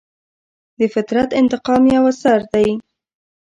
د فطرت انتقام یو اثر دی.